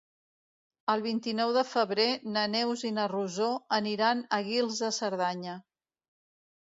El vint-i-nou de febrer na Neus i na Rosó aniran a Guils de Cerdanya.